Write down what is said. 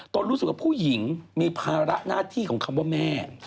รู้สึกว่าผู้หญิงมีภาระหน้าที่ของคำว่าแม่